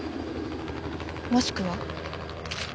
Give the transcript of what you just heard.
もしくは？